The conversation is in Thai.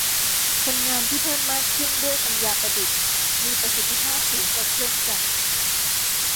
คนงานที่เพิ่มมากขึ้นด้วยปัญญาประดิษฐ์มีประสิทธิภาพสูงกว่าเครื่องจักร